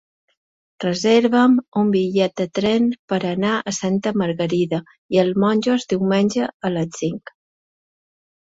Reserva'm un bitllet de tren per anar a Santa Margarida i els Monjos diumenge a les cinc.